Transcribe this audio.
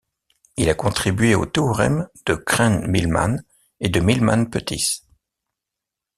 Il a contribué aux théorèmes de Krein-Milman et de Milman-Pettis.